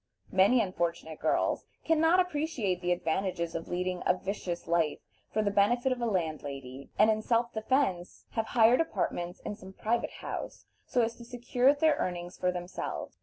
Many unfortunate girls can not appreciate the advantages of leading a vicious life for the benefit of a landlady, and in self defense have hired apartments in some private house, so as to secure their earnings for themselves.